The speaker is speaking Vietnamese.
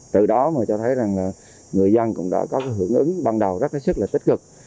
từ đó mà cho thấy rằng người dân cũng đã có hưởng ứng ban đầu rất là tích cực